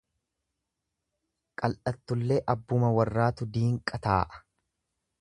Qal'atullee abbuma warraatu diinqa taa'a.